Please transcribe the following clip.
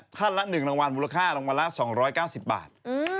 ท่านละ๑รางวัลมูลค่ารางวัลละ๒๙๐บาท